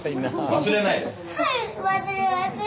はい。